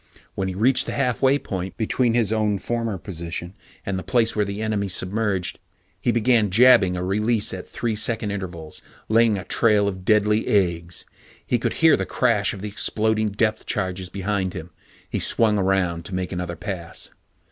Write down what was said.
When he reached the halfway point between his own former position and the place where the enemy submerged, he began jabbing a release at three second intervals, laying a trail of deadly eggs. He could hear the crash of the exploding depth charges behind him. He swung around to make another pass.